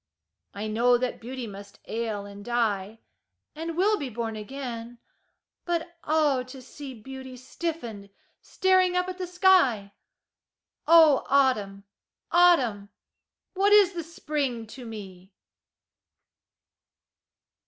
I know that beauty must ail and die, And will be born again, but ah, to see Beauty stiffened, staring up at the sky! Oh, Autumn! Autumn! What is the Spring to me?